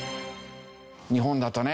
日本だとね